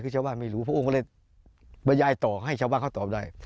คือชาวบ้านไม่รู้พระองค์ก็เลยบรรยายต่อให้ชาวบ้านเขาตอบได้